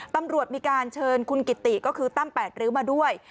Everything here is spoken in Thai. ตำรวจมีการเชิญคุณกิติก็คือตั้ม๘ริ้วมาด้วย